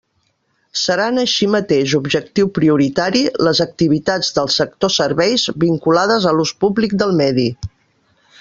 Seran així mateix objectiu prioritari les activitats del sector serveis vinculades a l'ús públic del medi.